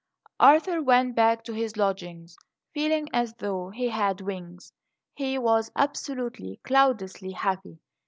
ARTHUR went back to his lodgings feeling as though he had wings. He was absolutely, cloudlessly happy.